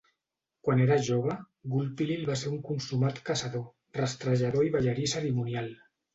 Quan era jove, Gulpilil va ser un consumat caçador, rastrejador i ballarí cerimonial.